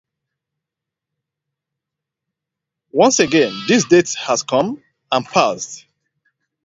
Once again, this date has come and passed.